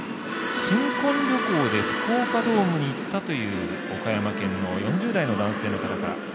新婚旅行で福岡ドームに行ったという岡山県の４０代の男性から。